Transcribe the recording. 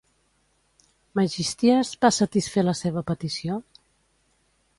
Megisties va satisfer la seva petició?